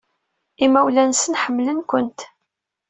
Imawlan-nsent ḥemmlen-kent.